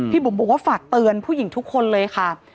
บุ๋มบอกว่าฝากเตือนผู้หญิงทุกคนเลยค่ะ